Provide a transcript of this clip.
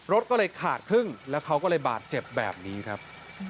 รถก็เลยขาดครึ่งแล้วเขาก็เลยบาดเจ็บแบบนี้ครับ